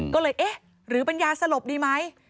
ก็เลยเอ๊ะหรือเป็นยาสลบดีไหม